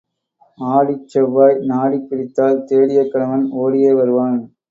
ஆடிச் செவ்வாய் நாடிப் பிடித்தால் தேடிய கணவன் ஓடியே வருவான்.